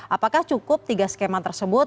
apakah cukup tiga skema tersebut